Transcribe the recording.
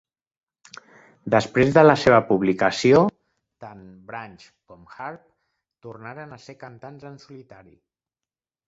Després de la seva publicació, tant Branch com Harp tornaren a ser cantants en solitari.